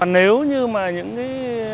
nếu như mà những cái